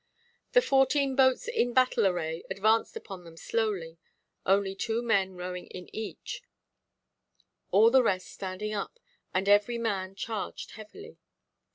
The fourteen boats in battle array advanced upon them slowly, only two men rowing in each, all the rest standing up, and every man charged heavily.